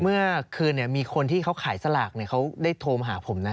เมื่อคืนมีคนที่เขาขายสลากเขาได้โทรมาหาผมนะ